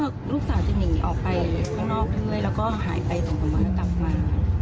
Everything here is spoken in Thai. ก็ลูกสาวจะหนีออกไปข้างนอกด้วยแล้วก็หายไปส่วนธรรมธรรมมา